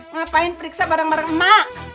ngapain periksa bareng bareng mak